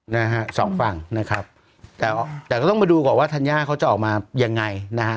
นะฮะสองฝั่งนะครับแต่แต่ก็ต้องมาดูก่อนว่าธัญญาเขาจะออกมายังไงนะฮะ